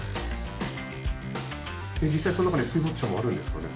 実際その中に水没車もあるんですかね？